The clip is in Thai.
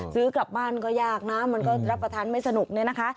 ซื้อกลับบ้านก็ยากนะมันก็รับประทานไม่สนุกเนี่ยนะคะ